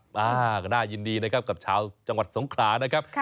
มาก็น่ายินดีนะครับกับชาวจังหวัดสงขลานะครับ